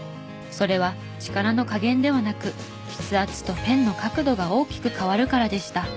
それは力の加減ではなく筆圧とペンの角度が大きく変わるからでした。